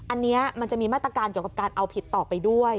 อันนี้มันจะมีมาตรการเกี่ยวกับการเอาผิดต่อไปด้วย